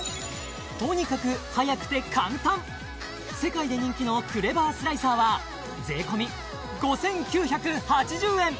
とにかく速くて簡単世界で人気のクレバースライサーは税込５９８０円